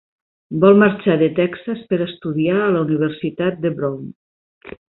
Vol marxar de Texas per estudiar a la Universitat de Brown.